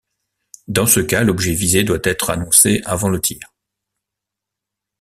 Dans ce cas, l'objet visé doit être annoncé avant le tir.